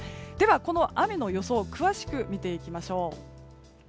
この雨の予想を詳しく見ていきましょう。